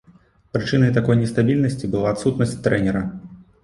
Прычынай такой нестабільнасці была адсутнасць трэнера.